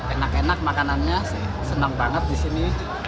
enak enak makanannya sih senang banget di sini